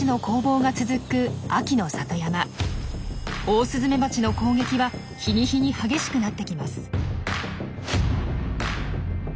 オオスズメバチの攻撃は日に日に激しくなってきます。